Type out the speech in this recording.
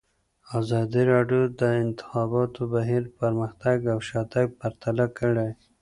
ازادي راډیو د د انتخاباتو بهیر پرمختګ او شاتګ پرتله کړی.